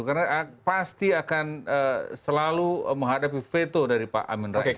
karena pasti akan selalu menghadapi veto dari pak amin rais